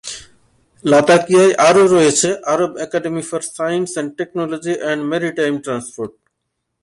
লাতাকিয়ায় আরো রয়েছে Arab Academy for Science and Technology and Maritime transport.